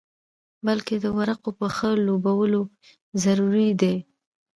بلکې د ورقو ښه لوبول ضروري دي.